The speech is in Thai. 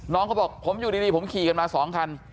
เขาบอกผมอยู่ดีผมขี่กันมา๒คัน